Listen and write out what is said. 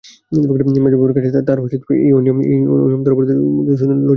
মেজোবউয়ের কাছে তার এই অনিয়ম ধরা পড়াতে মধুসূদন লজ্জিত ও বিরক্ত হল।